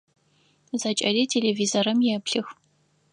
Зэкӏэри телевизорым еплъых.